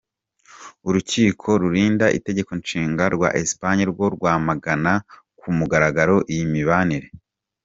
Urukiko rurinda Itegekonshinga rwa Espagne rwo rwamagana ku mugaragaro iyi mibanire.